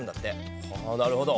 なるほど。